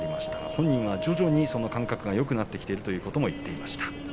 本人は徐々に感覚がよくなってきているという話をしていました。